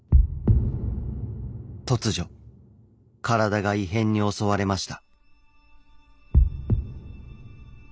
突如体が異変に襲われました。